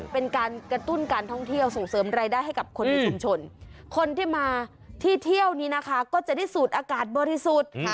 เป็นการกระตุ้นการท่องเที่ยวส่งเสริมรายได้ให้กับคนในชุมชนคนที่มาที่เที่ยวนี้นะคะก็จะได้สูดอากาศบริสุทธิ์